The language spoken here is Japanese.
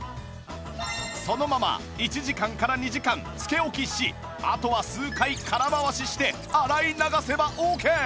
そのまま１時間から２時間つけ置きしあとは数回空回しして洗い流せばオーケー！